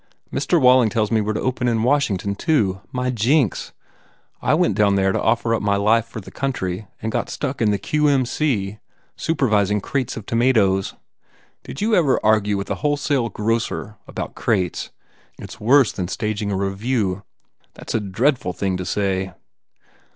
Mr. Walling tells me we re to open in Washington, too. My jinx! I went down there to offer up my life for the country and got stuck in the Q.M.C. supervising crates of tomatoes. Did you ever argue with a wholesale grocer about crates? It s worse than staging a revue." "That s a dreadful thing to say!"